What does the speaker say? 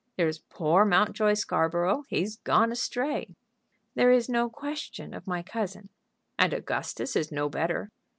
There's poor Mountjoy Scarborough, he has gone astray." "There is no question of my cousin." "And Augustus is no better."